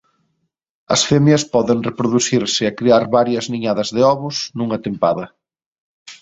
As femias poden reproducirse e criar varias niñadas de ovos nunha tempada.